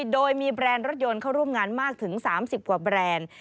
โดยมีแบรนด์รถยนต์เข้าร่วมงานมากถึง๓๐กว่าแบรนด์